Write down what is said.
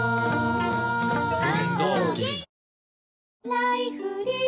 「ライフリー」